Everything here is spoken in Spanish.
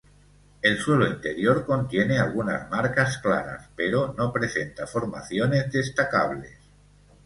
El suelo interior contiene algunas marcas claras, pero no presenta formaciones destacables.